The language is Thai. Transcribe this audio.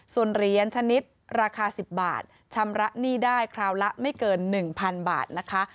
ส่วนเหรียญชนิดราคา๑๐บาทชำระหนี้ได้คราวละไม่เกิน๑๐๐๐บาทนะคะ